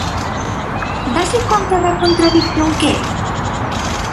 ¿Dáse conta da contradición que é?